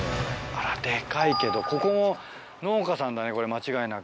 あらデカいけどここも農家さんだね間違いなく。